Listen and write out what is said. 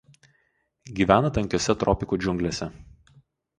Gyvena tankiose tropikų džiunglėse.